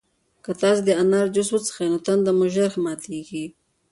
که تاسي د انار جوس وڅښئ نو تنده مو ژر ماتیږي.